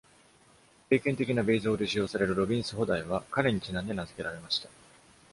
経験的なベイズ法で使用されるロビンス補題は、彼にちなんで名付けられました。